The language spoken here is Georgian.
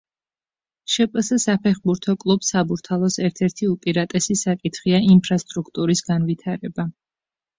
შპს საფეხბურთო კლუბ „საბურთალოს“ ერთ-ერთი უპირატესი საკითხია ინფრასტრუქტურის განვითარება.